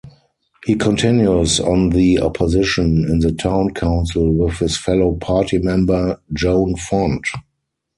He continues on the opposition in the town council with his fellow party member, Joan Font.